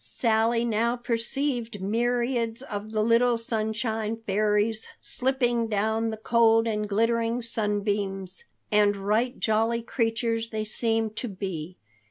Sally now perceived myriads of the little Sunshine Fairies slipping down the cold and glittering sunbeams, and right jolly creatures they seemed to be.